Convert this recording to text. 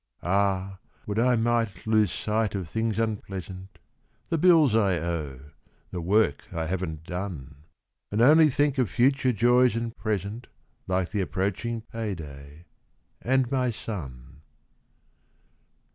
Ah, would I might lose sight of things unpleasant: The bills I owe; the work I haven't done. And only think of future joys and present, Like the approaching payday, and my son.